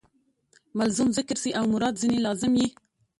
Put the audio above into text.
ملزوم ذکر سي او مراد ځني لازم يي.